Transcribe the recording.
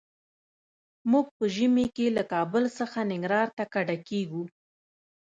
موږ په ژمي کې له کابل څخه ننګرهار ته کډه کيږو.